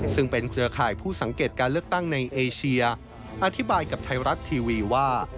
ซึ่งเป็นเครือข่ายผู้สังเกตการเลือกตั้งในเอเชียอธิบายกับไทยรัฐทีวีว่า